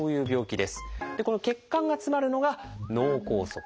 この血管が詰まるのが「脳梗塞」。